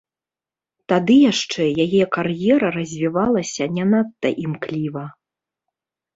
Тады яшчэ яе кар'ера развівалася не надта імкліва.